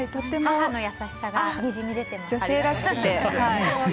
母の優しさがにじみ出ていますね。